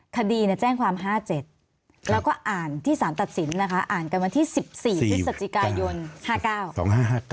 คดีแจ้งความ๕๗แล้วก็อ่านที่สารตัดสินนะคะอ่านกันวันที่๑๔พฤศจิกายน๕๙